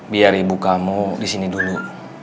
biar ibu kamu disini dulu